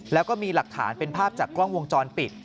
แล้วก็มีหลักฐานเป็นภาพจากกล้องวงจรปิด